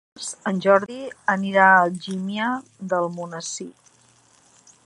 Dimarts en Jordi anirà a Algímia d'Almonesir.